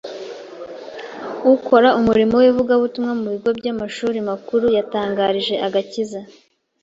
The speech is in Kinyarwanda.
ukora umurimo w’Ivugabutumwa mu bigo by’Amashuri makuru yatangarije agakiza